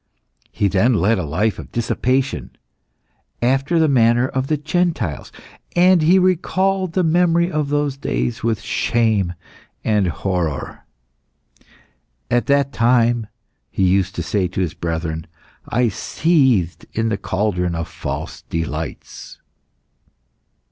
He then led a life of dissipation, after the manner of the Gentiles, and he recalled the memory of those days with shame and horror. "At that time," he used to say to the brethren, "I seethed in the cauldron of false delights."